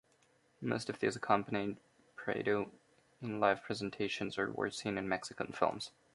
Most of these accompanied Prado in live presentations or were seen in Mexican films.